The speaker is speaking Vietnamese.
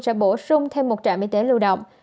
sẽ bổ sung thêm một trạm y tế lưu động